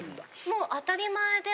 もう当たり前で。